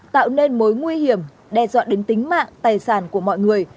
tạo nên mối nguy hiểm đe dọa đến tính mạng tài sản của mọi người